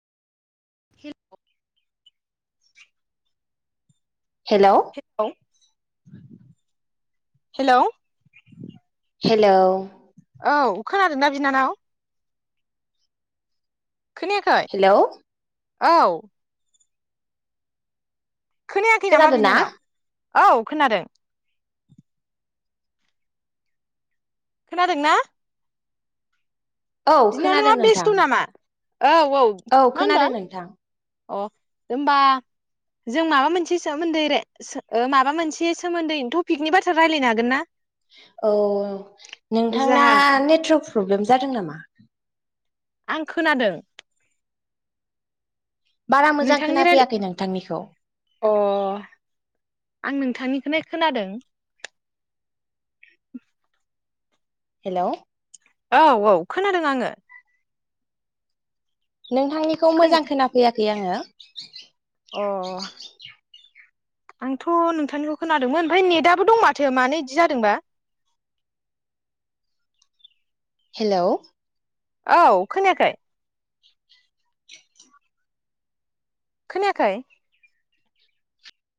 Hello hello hello hello औ खोनादोंना बिनानाव? खोनायाखै? हेलौ औ खोनायाखै नामा खोनादों ना बिनानाव? औ खोनादों। खोनादों ना? औ खोनादों बिनानावआ नोंथां बेस्थ' नामा? औ औ मा औ होनदों? खोनादों नोंथां अ होमबा जों माबा मोनसे सोमोन्दै सो ओ माबा मोनसे सोमोन्दै टपिकनि बाथ्रा रायज्लायनो हागोन ना? औ नोंथांना जाहा नेथ्रक प्रब्लेम जादों नामा? आं खोनादों। बारा मोजां नोंथांनि राय खोनाफैयाखै नोंथांनिखौ। अ आं नोंथांनिखोनो खोनादों। [inaudible] हेलौ औ औ खोनादों आङो। नोंथांनिखौ खोन मोजां खोनाफैयाखै आङो। अ आंथ' नोंथांनिखौ खोनादोंमोन ओमफ्राय नेटआबो दं माथो मानो इदि जादोंबा। हेलौ औ खोनायाखै? खोनायाखै?